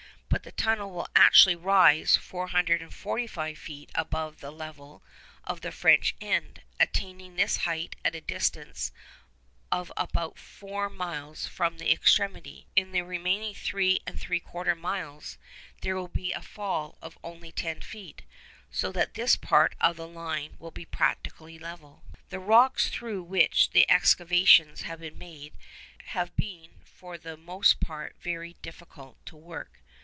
But the tunnel will actually rise 445 feet above the level of the French end, attaining this height at a distance of about four miles from that extremity; in the remaining three and three quarter miles there will be a fall of only ten feet, so that this part of the line will be practically level. The rocks through which the excavations have been made have been for the most part very difficult to work.